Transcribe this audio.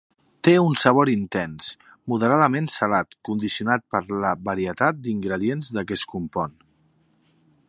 Té un sabor intens moderadament salat condicionat per la varietat d'ingredients de què es compon.